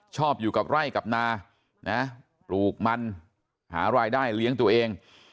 ชอบอยู่กับไร่กับนานะปลูกมันหารายได้เลี้ยงตัวเอง